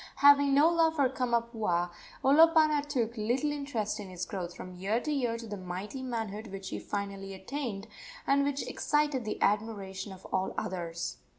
Having no love for Kamapuaa, Olopana took little interest in his growth from year to year to the mighty manhood which he finally attained, and which excited the admiration of all others.